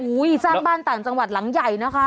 สร้างบ้านต่างจังหวัดหลังใหญ่นะคะ